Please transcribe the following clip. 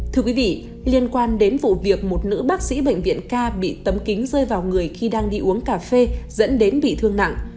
thưa quý vị liên quan đến vụ việc một nữ bác sĩ bệnh viện ca bị tấm kính rơi vào người khi đang đi uống cà phê dẫn đến bị thương nặng